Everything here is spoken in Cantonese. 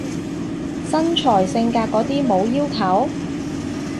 身材性格嗰啲冇要求？